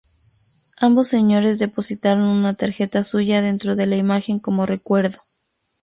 Ambos señores depositaron una tarjeta suya dentro de la imagen, como recuerdo.